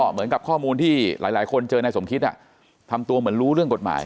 เหมือนกับข้อมูลที่หลายคนเจอนายสมคิดทำตัวเหมือนรู้เรื่องกฎหมาย